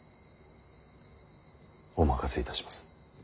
お任せいたします。